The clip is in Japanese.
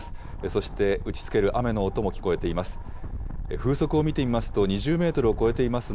そして、打ちつける雨の音も聞こえています。